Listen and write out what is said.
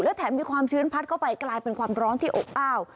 และแถมมีความชื้นพัดเข้าไปกลายเป็นความร้อนที่อบอ้าว